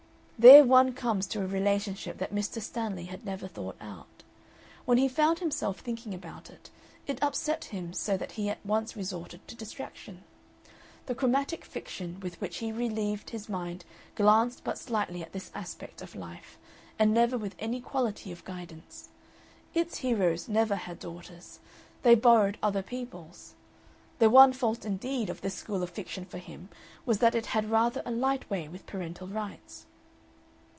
There one comes to a relationship that Mr. Stanley had never thought out. When he found himself thinking about it, it upset him so that he at once resorted to distraction. The chromatic fiction with which he relieved his mind glanced but slightly at this aspect of life, and never with any quality of guidance. Its heroes never had daughters, they borrowed other people's. The one fault, indeed, of this school of fiction for him was that it had rather a light way with parental rights.